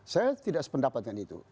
saya tidak sependapat dengan itu